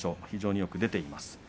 非常によく出ています。